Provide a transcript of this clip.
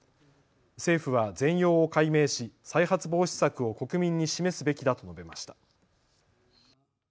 政府は全容を解明し再発防止策を国民に示すべきだと述べました。